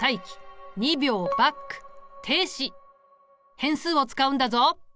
変数を使うんだぞ。